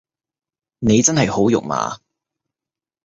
你真係好肉麻